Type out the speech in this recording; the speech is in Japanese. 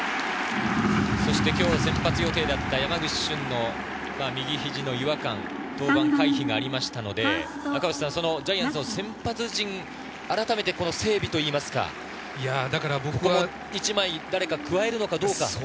今日、先発予定だった山口俊の右肘の違和感、登板回避がありましたので、ジャイアンツの先発陣、改めて整備といいますか、一枚誰か加えるのかどうか。